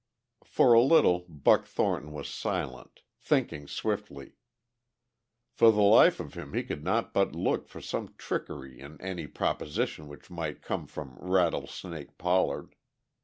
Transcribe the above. For a little Buck Thornton was silent, thinking swiftly. For the life of him he could not but look for some trickery in any proposition which might come from "Rattlesnake" Pollard.